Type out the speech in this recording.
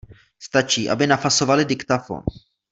Stačí, aby nafasovali diktafon.